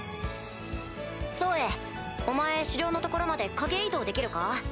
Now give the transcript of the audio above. ソウエイお前首領の所まで影移動できるか？